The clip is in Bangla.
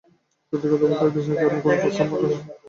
সত্যি কথা বলতে, দেশের গানের কোনো প্রস্তাব আমার কাছে সেভাবে আসেনি।